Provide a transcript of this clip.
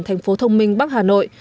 thành phố thông minh bắc hà nội